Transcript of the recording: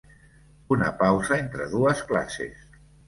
Una pausa entre dues classes.